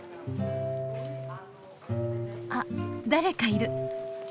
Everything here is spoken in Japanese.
あ誰かいる。